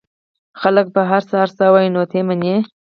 خلک به هرڅه هرڅه وايي نو ته يې منې؟